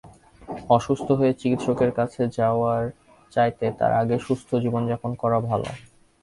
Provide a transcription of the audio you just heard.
অসুস্থ হয়ে চিকিৎসকের কাছে যাওয়ার চাইতে তার আগেই সুস্থ জীবনযাপন করা ভাল।